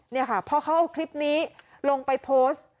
นี่ค่ะพอเขาเอาคลิปนี้ลงไปโพสต์